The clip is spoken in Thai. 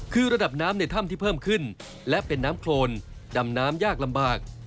คือระดับน้ำในถ้ำที่เพิ่มขึ้นและเป็นน้ำโครนดำน้ำยากลำบาก